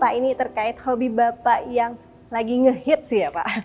pak ini terkait hobi bapak yang lagi ngehit sih ya pak